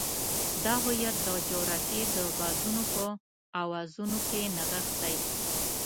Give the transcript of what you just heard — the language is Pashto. دا هویت د جغرافیې د بادونو په اوازونو کې نغښتی.